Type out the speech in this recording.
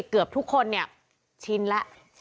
เกือบทุกคนเนี่ยชินแล้ว